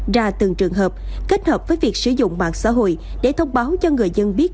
ra từng trường hợp kết hợp với việc sử dụng mạng xã hội để thông báo cho người dân biết